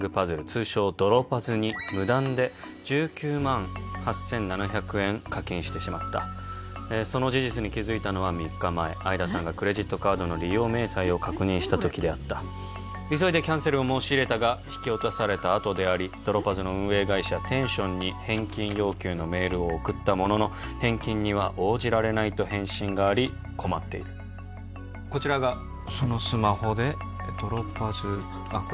通称ドロパズに無断で１９万８７００円課金してしまったその事実に気づいたのは３日前相田さんがクレジットカードの利用明細を確認した時であった急いでキャンセルを申し入れたが引き落とされたあとでありドロパズの運営会社テンションに返金要求のメールを送ったものの返金には応じられないと返信があり困っているこちらがそのスマホでドロパズあっ